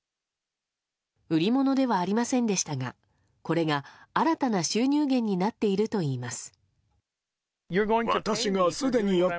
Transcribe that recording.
売り物ではありませんでしたがこれが新たな収入源になっているといいます。